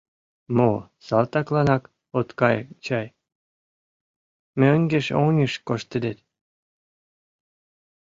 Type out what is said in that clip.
— Мо, салтакланак от кай чай, мӧҥгеш-оньыш коштедет.